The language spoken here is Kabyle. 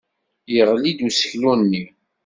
Yeɣli-d useklu-nni.